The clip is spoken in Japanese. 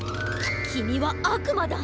きみはあくまだ！